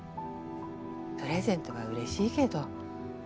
プレゼントはうれしいげど